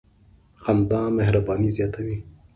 • خندا مهرباني زیاتوي.